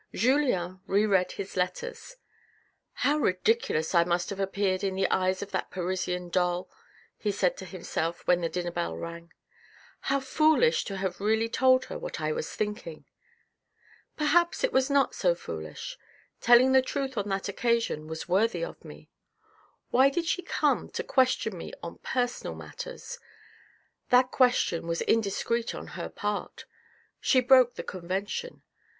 Julien reread his letters. " How ridiculous I must have appeared in the eyes of that Parisian doll," he said to himself when the dinner bell rang. " How foolish to have really told her what I was thinking ! Perhaps it was not so foolish. Telling the truth on that occasion was worthy of me. Why did she come to question me on personal matters ? That question was indiscreet on her part. She broke the convention.